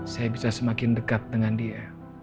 saya bisa semakin dekat dengan dia